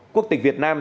quốc tịch việt nam